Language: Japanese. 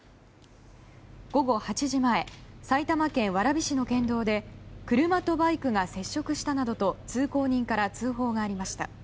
午後８時前、埼玉県蕨市の県道で車とバイクが接触したなどと通行人から通報がありました。